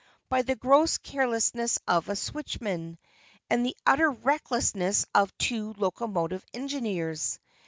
by the gross carelessness of a switchman, and the utter recklessness of two locomotive engineers.